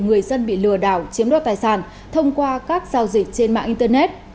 người dân bị lừa đảo chiếm đoạt tài sản thông qua các giao dịch trên mạng internet